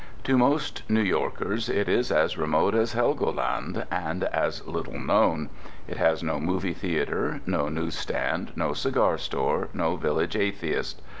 To most New Yorkers it is as remote as Helgoland and as little known. It has no movie theatre, no news stand, no cigar store, no village atheist.